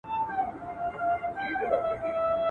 سمدستي یې د مرګي مخي ته سپر کړي.